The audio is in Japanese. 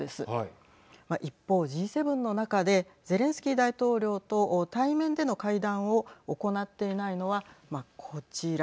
一方、Ｇ７の中でゼレンスキー大統領と対面での会談を行っていないのはこちら。